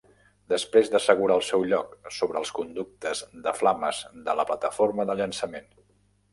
Després s'assegura al seu lloc sobre els conductes de flames de la plataforma de llançament.